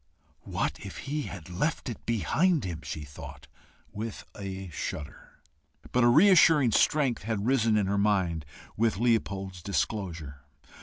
"What if he had left it behind him!" she thought with a shudder. But a reassuring strength had risen in her mind with Leopold's disclosure.